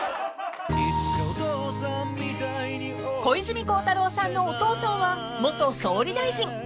［小泉孝太郎さんのお父さんは元総理大臣］